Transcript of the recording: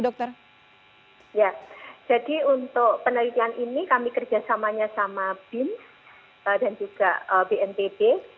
ya jadi untuk penelitian ini kami kerjasamanya sama bin dan juga bnpb